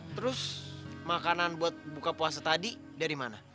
terus makanan buat buka puasa tadi dari mana